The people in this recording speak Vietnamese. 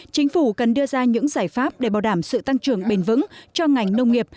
chính phủ cần đưa ra những giải pháp để bảo đảm sự tăng trưởng bền vững cho ngành nông nghiệp